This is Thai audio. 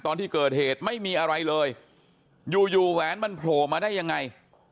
ตอนที่เกิดเหตุไม่มีอะไรเลยอยู่อยู่แหวนมันโผล่มาได้ยังไง